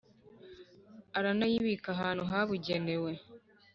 aranayibika ahantu habigenewe.